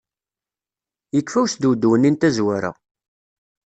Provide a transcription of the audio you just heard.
Yekfa usdewdew-nni n tazwara!